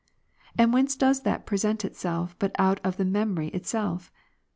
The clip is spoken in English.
And whence does that present itself, but out of the memory itself?